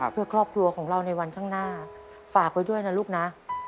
เพื่อครอบครัวของเราในวันข้างหน้าฝากไว้ด้วยนะลูกนะ